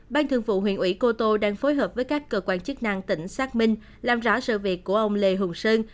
ban thường vụ huyện ủy cô tô đang phối hợp với các cơ quan chức năng tỉnh xác minh làm rõ sự việc của ông lê hùng sơn